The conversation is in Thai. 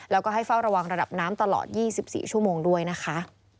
แล้วก็ให้เฝ้าระวังระดับน้ำตลอด๒๔ชั่วโมงด้วยนะคะ